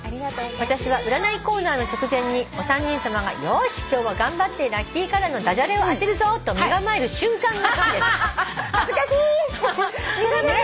「私は占いコーナーの直前にお三人さまがよし今日も頑張ってラッキーカラーの駄じゃれを当てるぞと身構える瞬間が好きです」